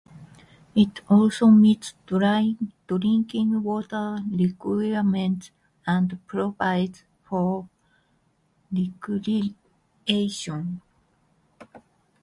It also meets drinking water requirements and provides for recreation.